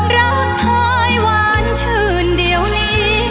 รักเคยหวานชื่นเดี๋ยวนี้